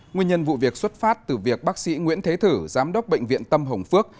nguyên nhân vụ việc xuất phát từ việc bác sĩ nguyễn thế thử giám đốc bệnh viện tâm hồng phước